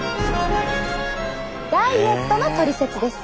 ダイエットのトリセツです。